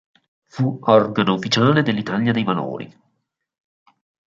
Fu organo ufficiale dell'Italia dei Valori.